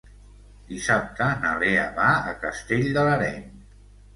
Dissabte na Lea va a Castell de l'Areny.